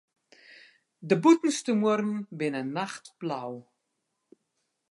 De bûtenste muorren binne nachtblau.